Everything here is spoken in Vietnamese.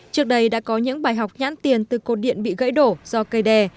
trước đây đã có những bài học nhãn tiền từ cột điện bị gãy đổ do cây đè